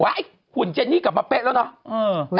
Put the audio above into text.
ไว้ขุนเจนนี่กับปะเป๊ะแล้วเนาะ